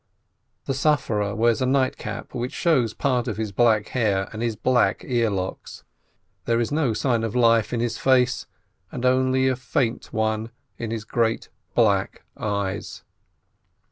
The sufferer wears a nightcap, which shows part of his black hair and his black earlocks. There is no sign of life in his face, and only a faint one in his great, black eyes.